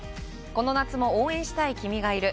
「この夏も、応援したい君がいる。」。